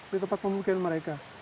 dari tempat pemukian mereka